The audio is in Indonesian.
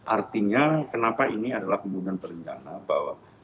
artinya kenapa ini adalah pembunuhan berencana bahwa